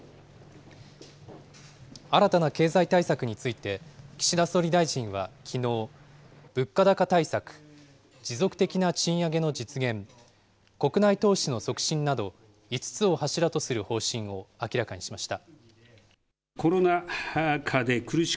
新たな経済対策について岸田総理大臣はきのう、物価高対策、持続的な賃上げの実現、国内投資の促進など、５つを柱とする方針を明らかにしました。